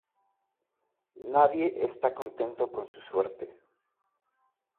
Nadie esta contento con su suerte.